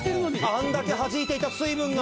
あんだけはじいていた水分が。